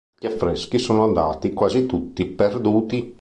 Gli affreschi sono andati quasi tutti perduti.